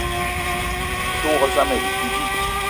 Me te wok zam ayi bidi bi.